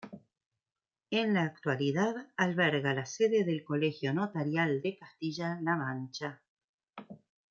En la actualidad alberga la sede del Colegio Notarial de Castilla-La Mancha.